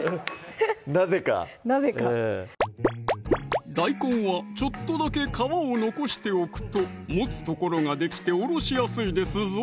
なぜかなぜか大根はちょっとだけ皮を残しておくと持つ所ができておろしやすいですぞ